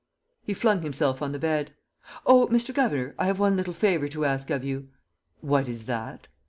He flung himself on the bed: "Oh, Mr. Governor, I have one little favor to ask of you!" "What is that?"